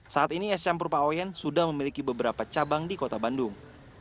saat ini es campur paoyen sudah memiliki beberapa cabang di kota bandung